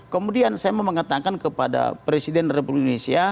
kemudian saya mau mengatakan kepada presiden republik indonesia